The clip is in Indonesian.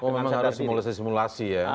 oh memang harus simulasi simulasi ya